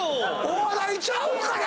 お笑いちゃうから！